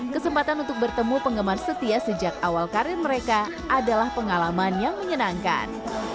kesempatan untuk bertemu penggemar setia sejak awal karir mereka adalah pengalaman yang menyenangkan